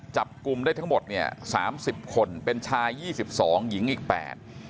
จับกลุ่มได้ทั้งหมดเนี่ยสามสิบคนเป็นชายยี่สิบสองหญิงอีกแปด